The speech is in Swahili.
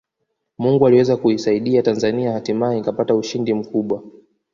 Mungu aliweza kuisaidia Tanzania hatimaye ikapata ushindi mkubwa